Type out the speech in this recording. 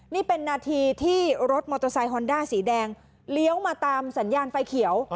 นี่เป็นนาทีที่รถมอเตอร์ไซค์ฮอนด้าสีแดงเลี้ยวมาตามสัญญาณไฟเขียว